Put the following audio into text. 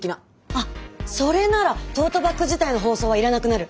あっそれならトートバッグ自体の包装はいらなくなる。